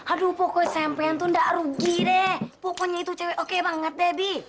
aduh pokoknya sampein tuh nggak rugi deh pokoknya itu cewek oke banget bebi